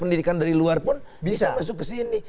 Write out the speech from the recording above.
pendidikan dari luar pun bisa masuk ke sini